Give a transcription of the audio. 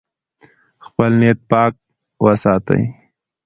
خپل نیت پاک وساتئ.